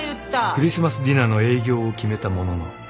［クリスマスディナーの営業を決めたものの問題は］